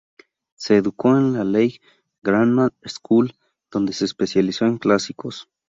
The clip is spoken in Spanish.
Se educó en la Leigh Grammar School, donde se especializó en clásicos.